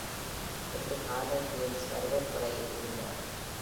இன்று காலை ஜேம்ஸ் வரவேற்பறையில் இருந்தார்